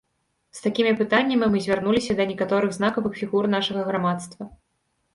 З такімі пытаннямі мы звярнуліся да некаторых знакавых фігур нашага грамадства.